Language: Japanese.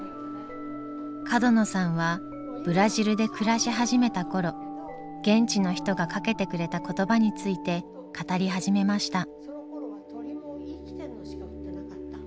角野さんはブラジルで暮らし始めた頃現地の人がかけてくれた言葉について語り始めました。